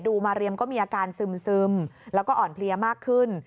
มาเรียมก็มีอาการซึมแล้วก็อ่อนเพลียมากขึ้น